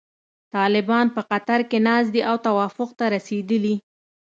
طالبان په قطر کې ناست دي او توافق ته رسیدلي.